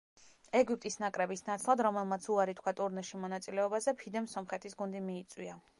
ეგვიპტის ნაკრების ნაცვლად, რომელმაც უარი თქვა ტურნირში მონაწილეობაზე, ფიდემ სომხეთის გუნდი მიიწვია.